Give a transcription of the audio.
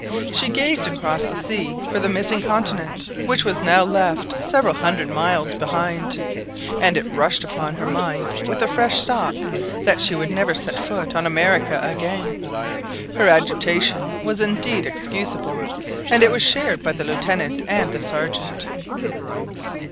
She gazed across the sea for the missing continent, which was now left several hundred miles behind, and it rushed upon her mind with a fresh shock that she would never set foot on America again. Her agitation was indeed excusable, and it was shared by the Lieutenant and the Sergeant.